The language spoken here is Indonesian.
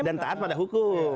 dan taat pada hukum